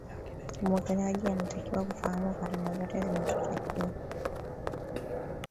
mwekezaji anatakiwa kufahamu gharama zote zinazotakiwa